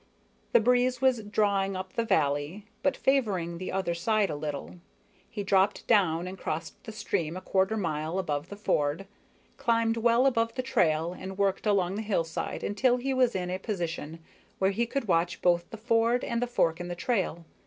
The breeze was drawing up the valley, but favoring the other side a little. He dropped down and crossed the stream a quarter mile above the ford, climbed well above the trail and worked along the hillside until he was in a position where he could watch both the ford and the fork in the trail.